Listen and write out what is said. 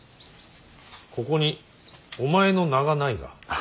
ここにお前の名がないが。